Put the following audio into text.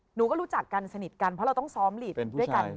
หนูก็รู้จักกันสนิทกันเพราะเราต้องซ้อมหลีดด้วยกัน